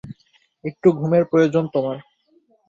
একটু ঘুমের প্রয়োজন তোমার।